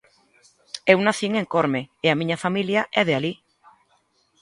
Eu nacín en Corme e a miña familia é de alí.